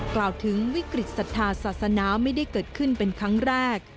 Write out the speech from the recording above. กล่าวถึงวิกฤตศรัทธาศาสนาไม่ได้เกิดขึ้นเป็นครั้งแรก